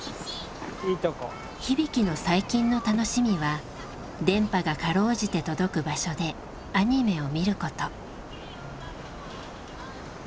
日々貴の最近の楽しみは電波がかろうじて届く場所でアニメを見ること。